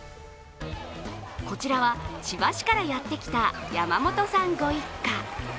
こちらは千葉市からやってきた山本さんご一家。